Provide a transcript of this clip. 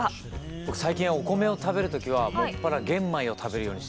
僕最近お米を食べる時は専ら玄米を食べるようにしてるんですよ。